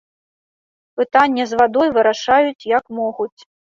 Пытанне з вадой вырашаюць, як могуць.